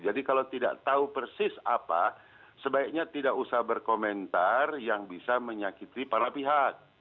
jadi kalau tidak tahu persis apa sebaiknya tidak usah berkomentar yang bisa menyakiti para pihak